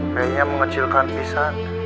kayaknya mengecilkan pisan